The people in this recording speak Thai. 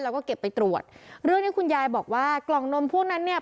แล้วก็เก็บไปตรวจเรื่องที่คุณยายบอกว่ากล่องนมพวกนั้นเนี่ย